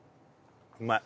うまい。